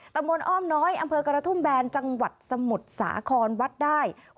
ตำบลอ้อมน้อยอำเภอกระทุ่มแบนจังหวัดสมุทรสาครวัดได้